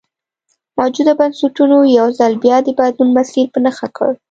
موجوده بنسټونو یو ځل بیا د بدلون مسیر په نښه کړ.